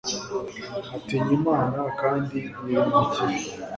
atinya imana, kandi yirinda ikibi